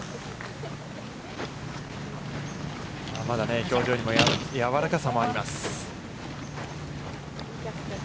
まだ表情にもやわらかさもあります。